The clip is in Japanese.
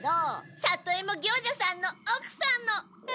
里芋行者さんのおくさんの。